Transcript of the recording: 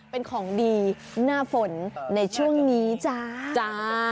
เป็นของดีหน้าฝนในช่วงนี้จ้าจ้า